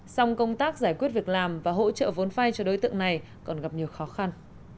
song công tác giải quyết việc làm và hỗ trợ vốn phay cho đối tượng này còn gặp nhiều khó khăn